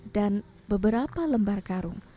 dan beberapa lembar karung